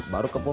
bisa gitu tuhan